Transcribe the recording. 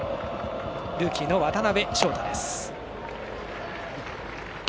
ルーキーの渡辺翔太です。